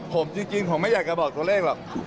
ผมจริงผมไม่อยากจะบอกตัวเลขหรอก